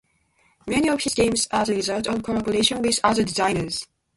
Many of his games are the results of collaboration with other designers.